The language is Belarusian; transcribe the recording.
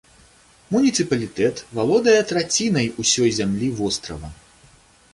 Муніцыпалітэт валодае трацінай усёй зямлі вострава.